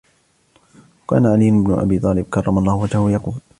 وَكَانَ عَلِيُّ بْنُ أَبِي طَالِبٍ كَرَّمَ اللَّهُ وَجْهَهُ يَقُولُ